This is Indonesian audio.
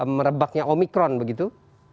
merebaknya omikron begitu